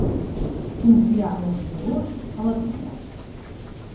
Confiar les llavors a la terra.